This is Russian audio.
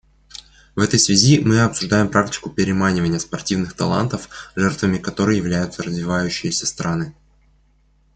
В этой связи мы осуждаем практику переманивания спортивных талантов, жертвами которой являются развивающиеся страны.